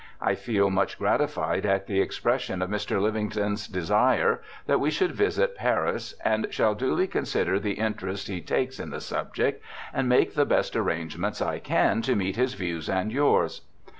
I feel much gratified at the expression of Mr. Living ston's desire that we should visit Paris, and shall duly consider the interest he takes in the subject and make the best arrangements I can to meet his views and yours.'